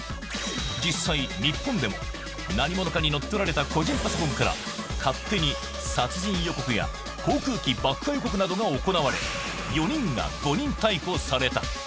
実際、日本でも、何者かに乗っ取られた個人パソコンから、勝手に殺人予告や、航空機爆破予告などが行われ、４人が誤認逮捕された。